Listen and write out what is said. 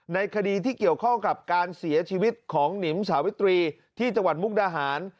ในคดีที่เกี่ยวข้องกับการเสียชีวิตของหนิมสาวิตรีที่จังหวัดมุกดาหาร